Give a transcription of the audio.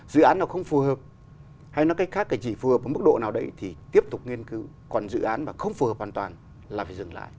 dự án nào không phù hợp hay nói cách khác cái gì phù hợp với mức độ nào đấy thì tiếp tục nghiên cứu